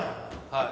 はい。